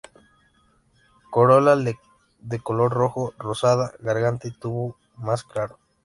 Corola de color rojo rosada; garganta y tubo más claros.